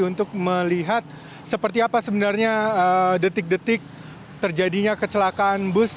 untuk melihat seperti apa sebenarnya detik detik terjadinya kecelakaan bus